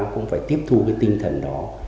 cũng phải tiếp thu cái tinh thần đó